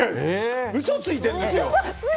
嘘ついてるんですよ。